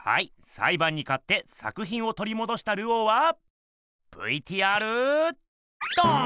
さいばんにかって作品を取り戻したルオーはＶＴＲどん！